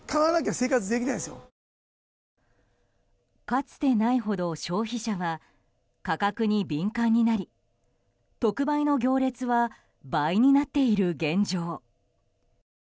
かつてないほど消費者は価格に敏感になり特売の行列は倍になっている現状。